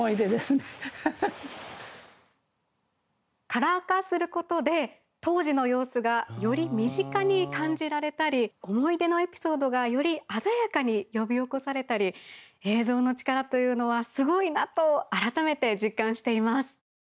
カラー化することで当時の様子がより身近に感じられたり思い出のエピソードがより鮮やかに呼び起こされたり映像の力というのはすごいなと改めて実感しています。